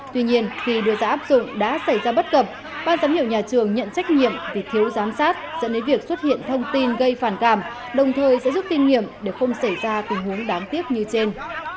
tuy nhiên khi đưa ra áp dụng đã xảy ra bất cập ban giám hiệu nhà trường nhận trách nhiệm vì thiếu giám sát dẫn đến việc xuất hiện thông tin gây phản cảm đồng thời sẽ giúp kinh nghiệm để không xảy ra tình huống đáng tiếc như trên